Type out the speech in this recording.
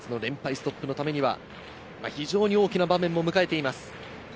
ストップのためには非常に大きな場面を迎えています。